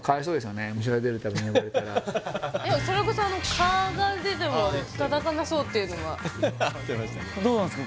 まあでもそれこそ蚊が出ても叩かなそうっていうのはどうなんですか